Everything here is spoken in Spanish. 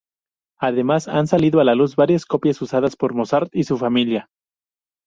Además, han salido a la luz varias copias usadas por Mozart y su familia.